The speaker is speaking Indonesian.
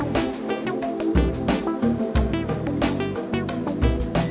jangan lupa like share dan subscribe ya